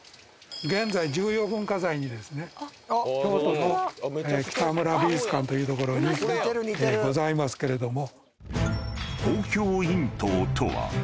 現在重要文化財にですね京都の北村美術館という所にございますけれども。